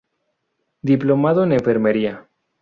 Diplomado en Enfermería.